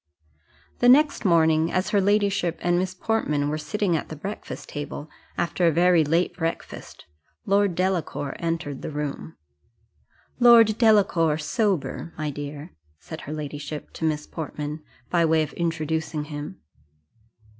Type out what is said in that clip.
The next morning, as her ladyship and Miss Portman were sitting at the breakfast table, after a very late breakfast, Lord Delacour entered the room. "Lord Delacour, sober, my dear," said her ladyship to Miss Portman, by way of introducing him.